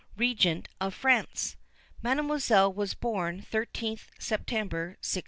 Regent of France. Mademoiselle was born 13th September, 1676.